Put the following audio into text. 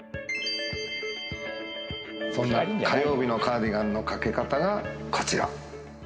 そんな火曜日のカーディガンのかけ方がこちら。